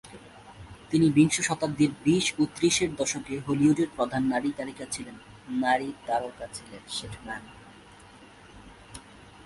তিনি বিংশ শতাব্দীর বিশ ও ত্রিশের দশকে হলিউডের প্রধান নারী তারকা ছিলেন।